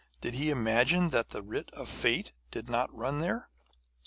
Did he imagine that the writ of Fate did not run there?